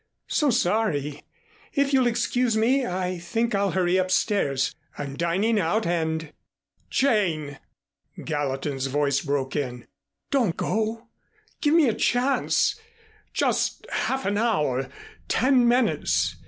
So sorry. If you'll excuse me I think I'll hurry upstairs. I'm dining out and " "Jane!" Gallatin's voice broke in. "Don't go. Give me a chance just half an hour ten minutes.